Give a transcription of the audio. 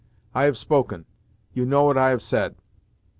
I have spoken; you know what I have said."